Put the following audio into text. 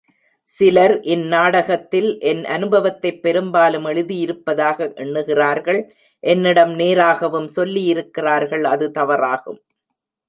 சிலர் இந்நாடகத்தில் என் அனுபவத்தைப் பெரும்பாலும் எழுதியிருப்பதாக எண்ணுகிறார்கள் என்னிடம் நேராகவும் சொல்லியிருக்கிறார்கள் அது தவறாகும்.